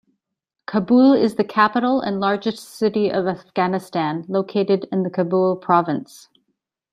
Kabul is the capital and largest city of Afghanistan, located in the Kabul Province.